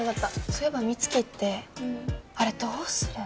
そういえば美月ってあれどーする？